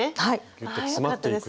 ギュッと詰まっていくと。